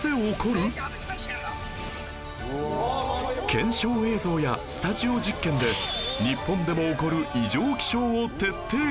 検証映像やスタジオ実験で日本でも起こる異常気象を徹底解説